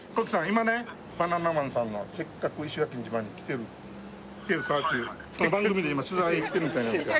今ねバナナマンさんの「せっかく」石垣島に来てる来てるさぁという☎はいはい番組で今取材来てるみたいなんですよ